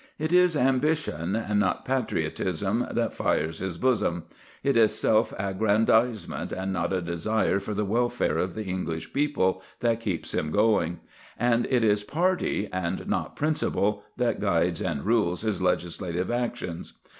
It is ambition, and not patriotism, that fires his bosom; it is self aggrandisement, and not a desire for the welfare of the English people, that keeps him going; and it is party, and not principle, that guides and rules his legislative actions.